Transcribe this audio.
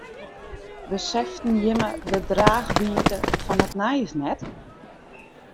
Beseften jimme de draachwiidte fan it nijs net?